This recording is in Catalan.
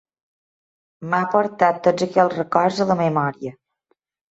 M'ha portat tots aquells records a la memòria.